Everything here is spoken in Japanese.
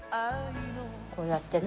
こうやってね。